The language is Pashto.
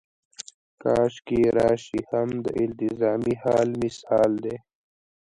کاشکې راشي هم د التزامي حال مثال دی.